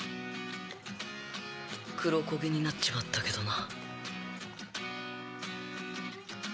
黒コゲになっちまったけどな。